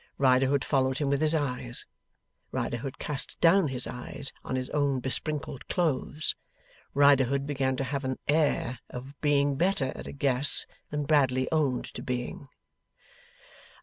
Riderhood followed him with his eyes. Riderhood cast down his eyes on his own besprinkled clothes. Riderhood began to have an air of being better at a guess than Bradley owned to being.